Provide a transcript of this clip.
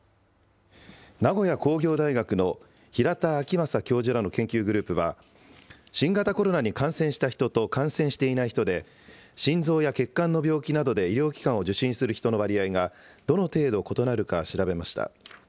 名古屋工業大学の平田晃正教授らの研究グループは、新型コロナに感染した人と感染していない人で、心臓や血管の病気などで医療機関を受診する人の割合がどの程度異なるか調べました。